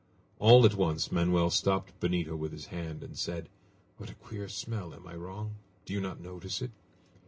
All at once Manoel stopped Benito with his hand and said: "What a queer smell! Am I wrong? Do you not notice it?"